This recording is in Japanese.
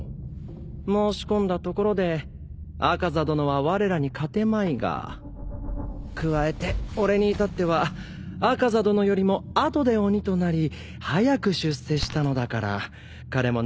申し込んだところで猗窩座殿はわれらに勝てまいが加えて俺に至っては猗窩座殿よりも後で鬼となり早く出世したのだから彼も内心穏やかではあるまい。